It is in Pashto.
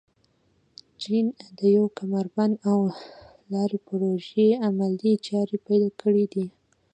چین د یو کمربند او لارې پروژې عملي چارې پيل کړي دي.